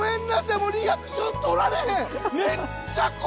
もうリアクション取られへん！